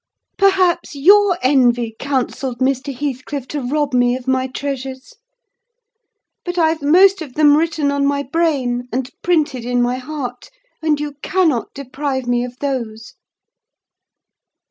Perhaps your envy counselled Mr. Heathcliff to rob me of my treasures? But I've most of them written on my brain and printed in my heart, and you cannot deprive me of those!"